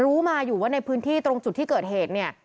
รู้มาอยู่ว่าในพื้นที่ตรงจุดที่เกิดเหตุเนี่ย